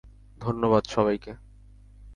ধন্যবাদ, সবাইকে!